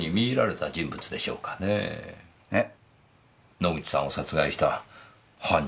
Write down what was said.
野口さんを殺害した犯人ですよ。